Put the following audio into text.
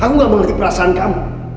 aku gak mengerti perasaan kamu